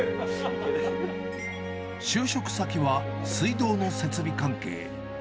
就職先は水道の設備関係。